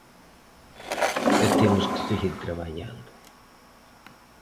E temos que seguir traballando.